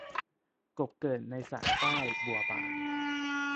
กบเกิดในสระใต้ บัวบาน